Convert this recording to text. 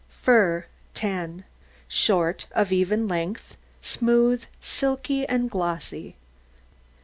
FUR 10 Short, of even length, smooth, silky, and glossy.